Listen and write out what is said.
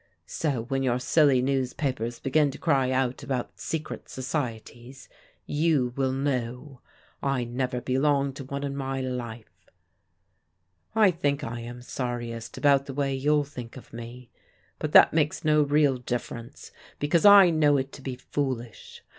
So when your silly newspapers begin to cry out about secret societies, you will know. I never belonged to one in my life. "I think I am sorriest about the way you'll think of me. But that makes no real difference, because I know it to be foolish.